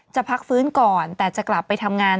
พักฟื้นก่อนแต่จะกลับไปทำงาน